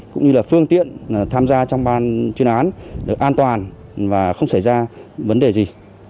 cũng như là phương tiện tham gia trong ban chuyên án được an toàn và không xảy ra vấn đề gì